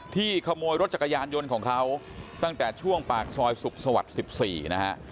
ขโมยรถจักรยานยนต์ของเขาตั้งแต่ช่วงปากซอยสุขสวัสดิ์๑๔นะฮะ